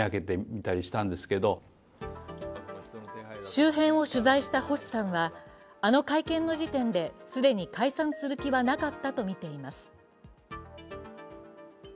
周辺を取材した星さんは、あの会見の時点で既に解散する気はなかったと見ています。